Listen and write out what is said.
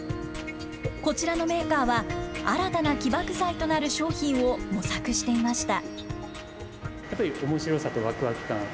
こちらのメーカーは、新たな起爆剤となる商品を模索していました。